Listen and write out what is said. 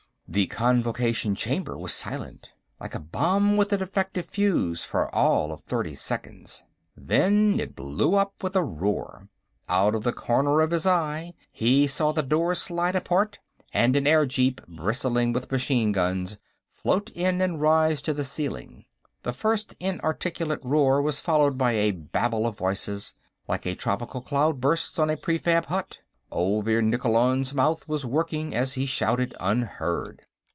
_" The Convocation Chamber was silent, like a bomb with a defective fuse, for all of thirty seconds. Then it blew up with a roar. Out of the corner of his eye, he saw the doors slide apart and an airjeep, bristling with machine guns, float in and rise to the ceiling. The first inarticulate roar was followed by a babel of voices, like a tropical cloudburst on a prefab hut. Olvir Nikkolon's mouth was working as he shouted unheard.